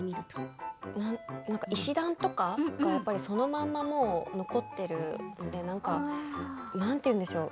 石段とかそのまま残っているなんていうんでしょう